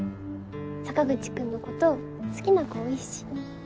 坂口君のこと好きな子多いし